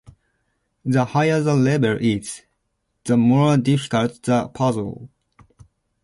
The higher the level is, the more difficult the puzzle.